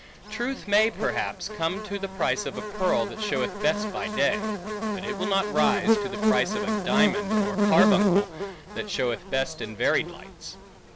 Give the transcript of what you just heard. Truth may perhaps come to the price of a pearl, that showeth best by day; but it will not rise to the price of a diamond, or carbuncle, that showeth best in varied lights.